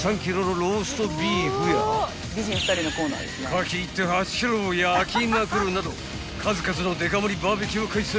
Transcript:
［カキ１．８ｋｇを焼きまくるなど数々のデカ盛りバーベキューを開催］